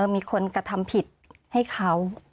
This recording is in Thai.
มีคนกระทำผิดให้เขา